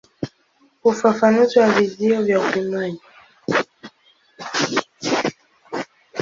Ufafanuzi wa vizio vya upimaji.